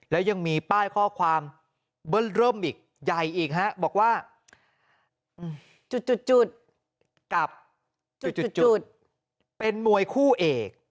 แล้วยังมีป้ายข้อความเบิ้ลเริ่มอีกใหญ่อีกฮะบอกว่าจุดกับจุดเป็นมวยคู่เอก